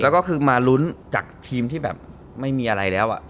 แล้วก็คือมาลุ้นจากทีมที่แบบไม่มีอะไรแล้ว